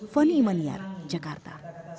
fonny imanian jakarta